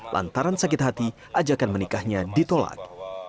lantaran sakit hati ajakan menikahnya ditolak